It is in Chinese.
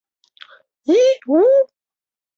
崇祯十三年因巡城坠马而卒。